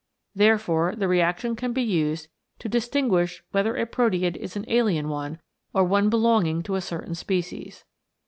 Therefore the reaction can be used to distinguish whether a pro teid is an alien one, or one belonging to a certain species.